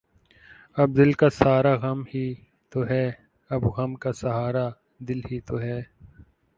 اب دل کا سہارا غم ہی تو ہے اب غم کا سہارا دل ہی تو ہے